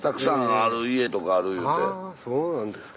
ああそうなんですか。